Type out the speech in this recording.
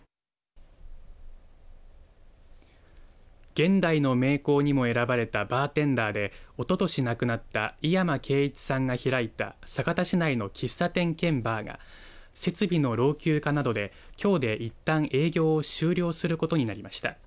現代の名工にも選ばれたバーテンダーでおととし亡くなった井山計一さんが開いた酒田市内の喫茶店兼バーが設備の老朽化などできょうでいったん営業終了することになりました。